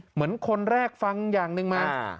เหมือนคนแรกฟังอย่างหนึ่งมา